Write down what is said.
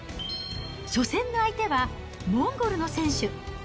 初戦の相手はモンゴルの選手。